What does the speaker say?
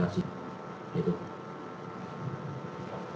silakan dari metro